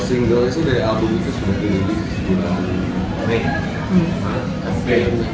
singlenya dari album itu sudah diulis bulan mei